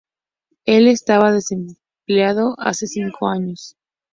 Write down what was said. Él estaba desempleado hace cinco años.